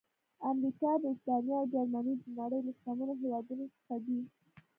امریکا، برېټانیا او جرمني د نړۍ له شتمنو هېوادونو څخه دي.